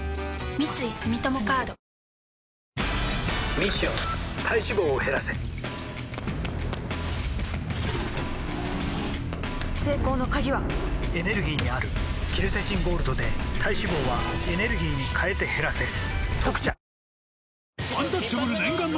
ミッション体脂肪を減らせ成功の鍵はエネルギーにあるケルセチンゴールドで体脂肪はエネルギーに変えて減らせ「特茶」